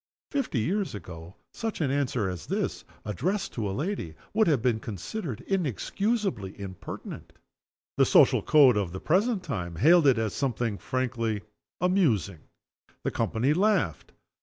Fifty years ago such an answer as this, addressed to a lady, would have been considered inexcusably impertinent. The social code of the present time hailed it as something frankly amusing. The company laughed.